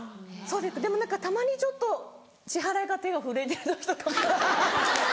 でも何かたまにちょっと支払いが手が震えてる時とか。